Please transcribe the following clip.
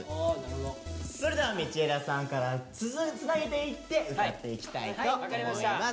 それでは道枝さんからつなげていって歌っていきたいと思います。